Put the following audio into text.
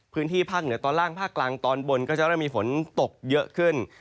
พื้นที่ภาคเหนือตอนล่างภาคกลางตอนบนก็จะเริ่มมีฝนตกเยอะขึ้น